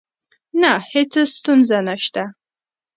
نه، هیڅ ستونزه نشته